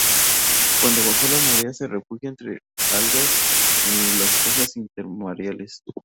Cuando baja la marea se refugia entre algas en las pozas intermareales.